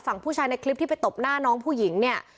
ผู้ชายในคลิปที่ไปตบหน้าน้องผู้หญิงเนี่ย